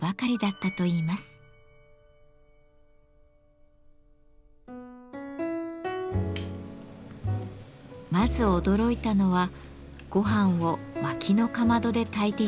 まず驚いたのはごはんを薪のかまどで炊いていたことでした。